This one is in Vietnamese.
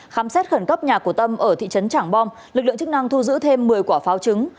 khám xét khẩn cấp nhà của tâm ở thị trấn trảng bom lực lượng chức năng thu giữ thêm một mươi quả pháo trứng